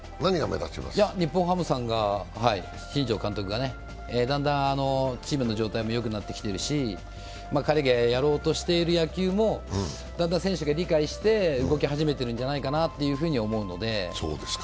日本ハム、新庄監督がだんだんチームの状態もよくなってきてるし彼がやろうとしている野球もだんだん選手が理解して動き始めているんじゃないかなと思うので。